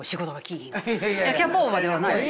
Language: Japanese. キャパオーバーではない。